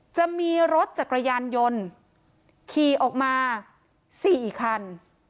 จะมีรถจักรยานยนต์ขี่ออกมา๔คัน